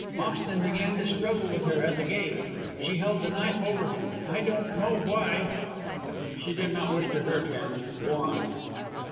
Moxton began to struggle with her at the gate. She held the knife over him I don't know why." "She did not wish to hurt him. Go on."